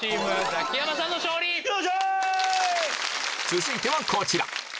続いてはこちら！